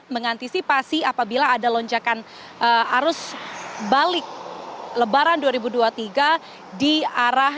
mengantisipasi apabila ada lonjakan arus balik lebaran dua ribu dua puluh tiga di arah